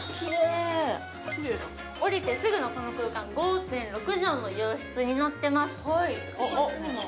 降りてすぐのこの空間５．６畳の洋室になってます。